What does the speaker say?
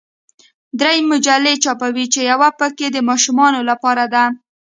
درې مجلې چاپوي چې یوه پکې د ماشومانو لپاره ده.